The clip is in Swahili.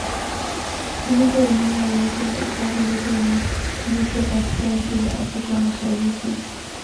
Kuliko eneo lolote la hifadhi zote zilizopo katika nchi za Afrika Mashariki